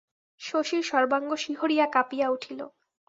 শশীর সর্বাঙ্গ শিহরিয়া কাঁপিয়া উঠিল।